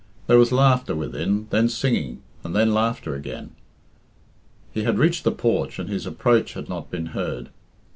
There was laughter within, then singing, and then laughter again. He bad reached the porch and his approach had not been heard.